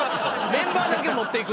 メンバーだけ持っていく？